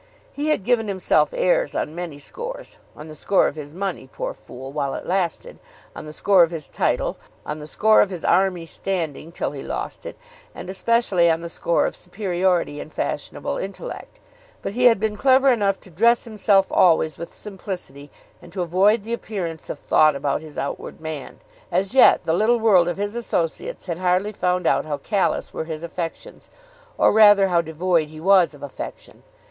He had given himself airs on many scores; on the score of his money, poor fool, while it lasted; on the score of his title; on the score of his army standing till he lost it; and especially on the score of superiority in fashionable intellect. But he had been clever enough to dress himself always with simplicity and to avoid the appearance of thought about his outward man. As yet the little world of his associates had hardly found out how callous were his affections, or rather how devoid he was of affection.